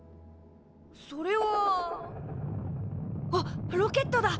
それはあっロケットだ！